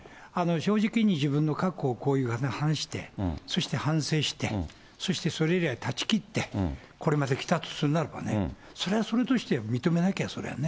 正直に自分の過去をこういう場で話して、そして反省して、そしてそれ以来、断ち切って、これまで来たとするならばね、それはそれとして認めなきゃ、そりゃあね。